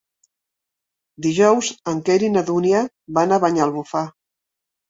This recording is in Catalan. Dijous en Quer i na Dúnia van a Banyalbufar.